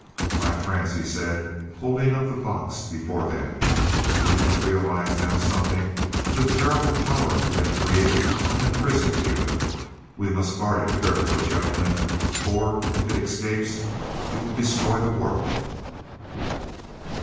"My friends," he said, holding up the box before them, "we can realize now something of the terrible power we have created and imprisoned here. We must guard it carefully, gentlemen, for if it escapes it will destroy the world."